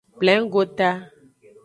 Plengota.